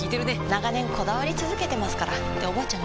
長年こだわり続けてますからっておばあちゃん